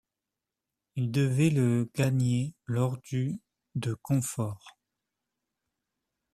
Ils devaient le gagner lors du de confort.